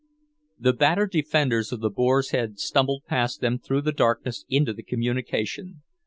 The battered defenders of the Boar's Head stumbled past them through the darkness into the communication.